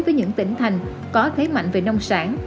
với những tỉnh thành có thế mạnh về nông sản